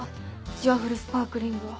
「ジュワフルスパークリング」は。